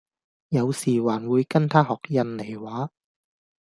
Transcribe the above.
有時還會跟她學印尼話